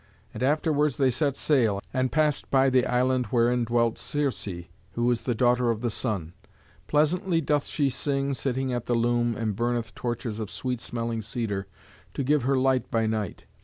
And afterwards they set sail, and passed by the island wherein dwelt Circé, who is the daughter of the Sun. Pleasantly doth she sing, sitting at the loom, and burneth torches of sweet smelling cedar to give her light by night.